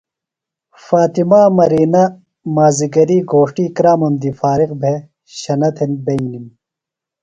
فاطمے مرینہ مازِگری گھوݜٹی کرامم دی فارغ بھےۡ شنہ تھےۡ بئینِم۔